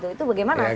itu bagaimana sih